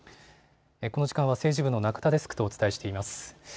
この時間は政治部の中田デスクとお伝えしています。